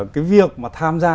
cái việc mà tham gia